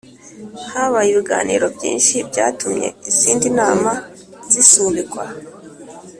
Habaye ibiganiro byinshi byatumye izindi nama zisubikwa